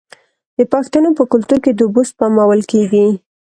د پښتنو په کلتور کې د اوبو سپمول کیږي.